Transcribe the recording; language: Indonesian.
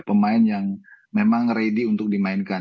pemain yang memang ready untuk dimainkan